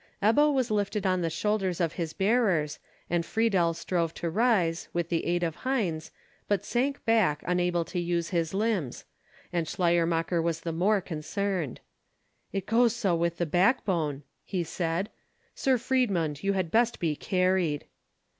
Ebbo was lifted on the shoulders of his bearers, and Friedel strove to rise, with the aid of Heinz, but sank back, unable to use his limbs; and Schleiermacher was the more concerned. "It goes so with the backbone," he said. "Sir Friedmund, you had best be carried."